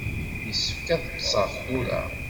Yessefk ad ṭṭseɣ tura.